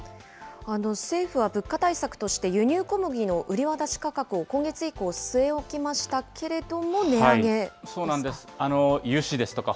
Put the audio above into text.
政府は物価対策として、輸入小麦の売り渡し価格を今月以降、据え置きましたけれども、値上げですか。